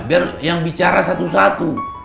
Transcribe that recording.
biar yang bicara satu satu